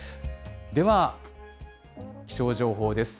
では、気象情報です。